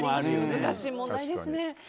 難しい問題ですね。